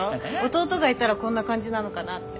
弟がいたらこんな感じなのかなって。